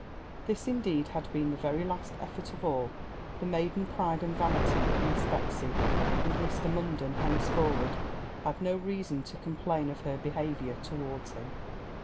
This, indeed, had been the very last effort of all the maiden pride and vanity of Miss Betsy; and Mr. Munden henceforward had no reason to complain of her behaviour towards him.